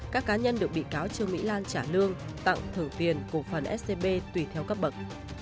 các cá nhân được bị cáo trương mỹ lan trả lương tặng thử tiền cổ phần scb tùy theo cấp bậc